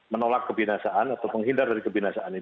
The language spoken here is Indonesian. menolak kebinasaan atau menghindar dari kebinasaan ini